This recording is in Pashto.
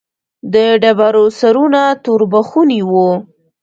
د ډبرو سرونه توربخوني وو.